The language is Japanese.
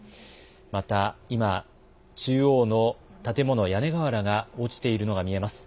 また、今、中央の建物、屋根瓦が落ちているのが見えます。